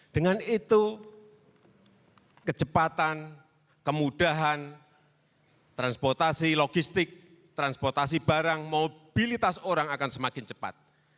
dengan itu kecepatan kemudahan transportasi logistik transportasi barang mobilitas orang akan semakin cepat